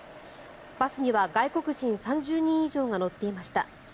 バスには外国人３０人以上が乗っていました。